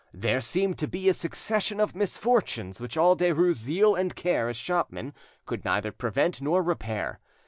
There seemed to be a succession of misfortunes which all Derues' zeal and care as shopman could neither prevent nor repair.